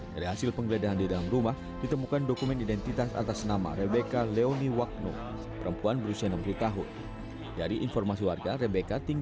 jadi walaupun ada perceraian bukan berarti harus saling pemusuhan tetap kita menjaring silaturahmi